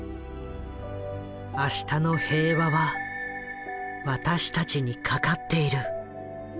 「明日の平和は私たちにかかっている」。